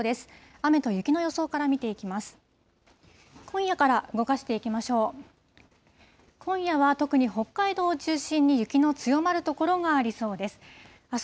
雨と雪の予想から見ていきます。